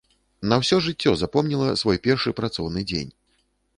На ўсё жыццё запомніла свой першы працоўны дзень.